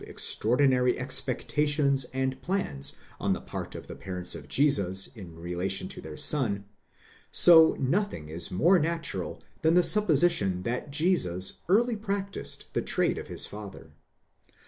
extraordinary expectations and plans on the part of the parents of Jesus in relation to their son, so nothing is more natural than the supposition that esus early practised the trade of his father.